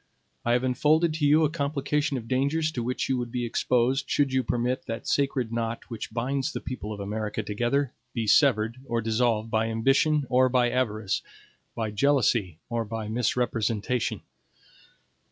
I have unfolded to you a complication of dangers to which you would be exposed, should you permit that sacred knot which binds the people of America together be severed or dissolved by ambition or by avarice, by jealousy or by misrepresentation.